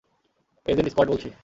Agent Scott বলছি।